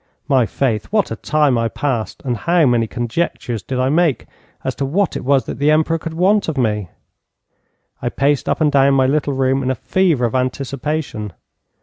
My faith, what a time I passed, and how many conjectures did I make as to what it was that the Emperor could want of me! I paced up and down my little room in a fever of anticipation.